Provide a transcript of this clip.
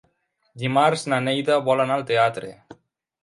Dimarts na Neida vol anar al teatre.